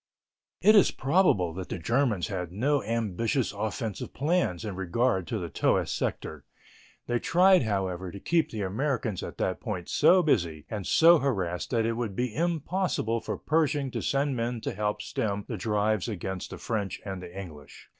It is probable that the Germans had no ambitious offensive plans in regard to the Toul sector. They tried, however, to keep the Americans at that point so busy and so harassed that it would be impossible for Pershing to send men to help stem the drives against the French and the English.